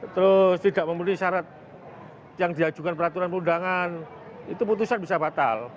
terus tidak memenuhi syarat yang diajukan peraturan perundangan itu putusan bisa batal